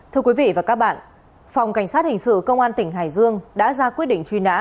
thưa quý vị và các bạn phòng cảnh sát hình sự công an tỉnh hải dương đã ra quyết định truy nã